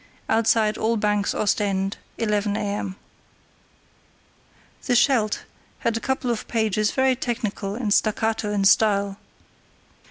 outside all banks; Ostend 11 a.m." The Scheldt had a couple of pages very technical and staccato in style.